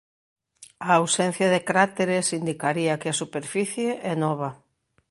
A ausencia de cráteres indicaría que a superficie é nova.